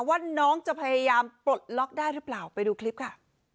ว่าน้องจะพยายามปลดล็อกได้หรือเปล่าไปดูคลิปค่ะ